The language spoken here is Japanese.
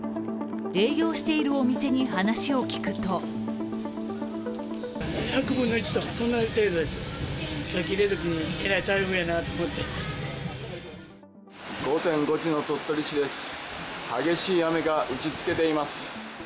営業しているお店に話を聞くと午前５時の鳥取市です、激しい雨が打ちつけています。